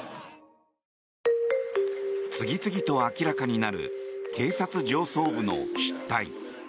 次々と明らかになる警察上層部の失態。